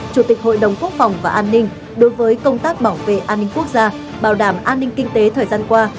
chủ tịch hội đồng quốc phòng và an ninh đối với công tác bảo vệ an ninh quốc gia bảo đảm an ninh kinh tế thời gian qua